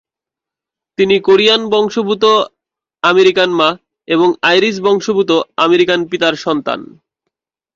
তিনি কোরিয়ান বংশোদ্ভূত আমেরিকান মা এবং আইরিশ বংশোদ্ভূত আমেরিকান পিতার সন্তান।